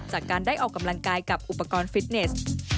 จากการได้ออกกำลังกายกับอุปกรณ์ฟิตเนส